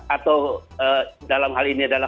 atau dalam hal ini adalah